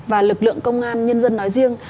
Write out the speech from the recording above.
và lực lượng công an nhân dân nói riêng